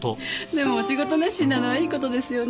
でもお仕事熱心なのはいい事ですよね。